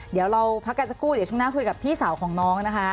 เดี๋ยวเราพักกันสักครู่เดี๋ยวช่วงหน้าคุยกับพี่สาวของน้องนะคะ